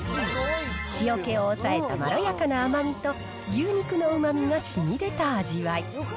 塩気を抑えたまろやかな甘みと牛肉のうまみがしみ出た味わい。